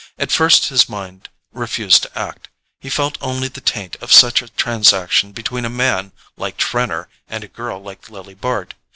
At first his mind refused to act—he felt only the taint of such a transaction between a man like Trenor and a girl like Lily Bart.